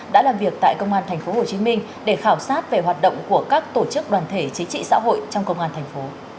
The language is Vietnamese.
đã làm việc tại công an tp hcm để khảo sát về hoạt động của các tổ chức đoàn thể chính trị xã hội trong công an thành phố